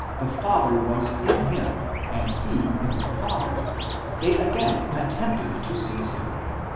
the Father was in him and he in the Father, they again attempted to seize him (x.